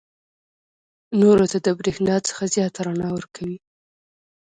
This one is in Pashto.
نورو ته د برېښنا څخه زیاته رڼا ورکوي.